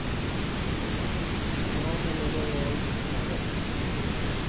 _¡Chiss! _o home levou o índice á boca.